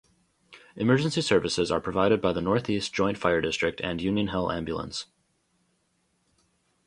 Emergency services are provided by the Northeast Joint Fire District and Union Hill Ambulance.